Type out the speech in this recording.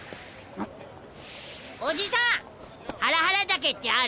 おじさんハラハラ茸ってある？